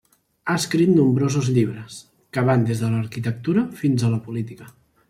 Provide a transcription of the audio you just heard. Ha escrit nombrosos llibres, que van des de l'arquitectura fins a la política.